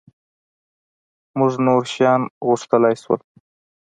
مونږ نور شیان غوښتلای شول.